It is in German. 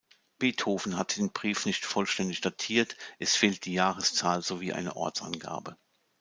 Beethoven hat den Brief nicht vollständig datiert, es fehlt die Jahreszahl sowie eine Ortsangabe.